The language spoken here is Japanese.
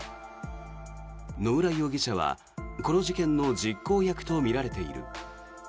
野村容疑者はこの事件の実行役とみられている。